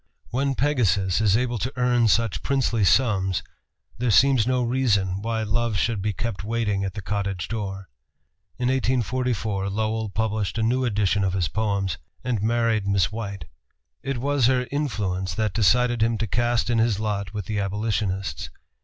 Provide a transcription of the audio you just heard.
When Pegasus is able to earn such princely sums, there seems no reason why Love should be kept waiting at the cottage door. In 1844 Lowell published a new edition of his poems, and married Miss White. It was her influence that decided him to cast in his lot with the abolitionists.